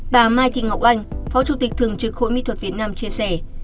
bà mai thị ngọc anh phó chủ tịch thường trực khối my thuật việt nam chia sẻ